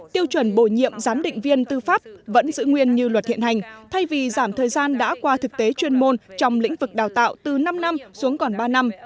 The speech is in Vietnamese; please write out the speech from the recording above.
tiêu chuẩn bổ nhiệm giám định viên tư pháp vẫn giữ nguyên như luật hiện hành thay vì giảm thời gian đã qua thực tế chuyên môn trong lĩnh vực đào tạo từ năm năm xuống còn ba năm